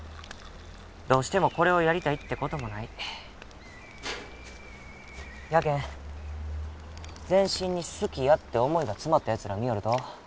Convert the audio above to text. どうしてもこれをやりたいってこともないやけん全身に好きやって思いが詰まったやつら見よると